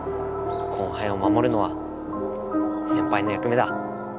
後輩をまもるのは先輩の役目だ。